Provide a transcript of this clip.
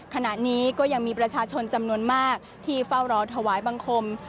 ขณะนี้ก็ยังมีประชาชนจำนวนมากที่เฝ้ารอถวายบังคม